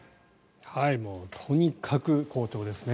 とにかく好調ですね。